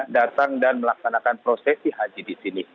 datang dan melaksanakan prosesi haji di sini